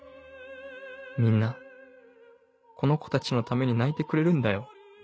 みんなこの子たちのために泣いてくれるんだよ。